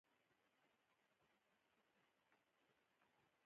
دا قلم و هغه ته نی نه وي.